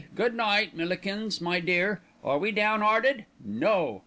Good night, Millikins, my dear. Are we down 'earted? No!"